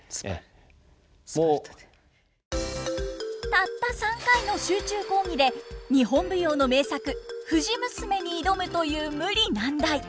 たった３回の集中講義で日本舞踊の名作「藤娘」に挑むという無理難題。